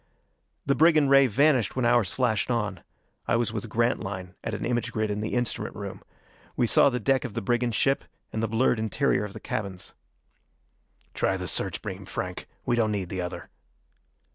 The brigand ray vanished when ours flashed on. I was with Grantline at an image grid in the instrument room. We saw the deck of the brigand ship and the blurred interior of the cabins. "Try the search beam, Franck. We don't need the other."